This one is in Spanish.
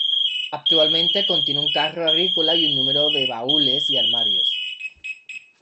Actualmente contiene un carro agrícola y un número de baúles y armarios.